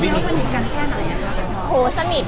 ยังยังไม่รู้สนิทกันแค่ไหนอ่ะพี่ช้อน